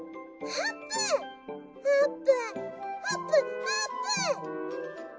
あーぷんあーぷんあーぷん！」。